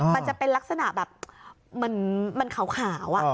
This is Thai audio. มันจะเป็นลักษณะแบบมันขาวอะ